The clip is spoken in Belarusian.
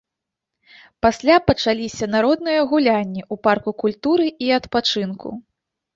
Пасля пачаліся народныя гулянні ў парку культуры і адпачынку.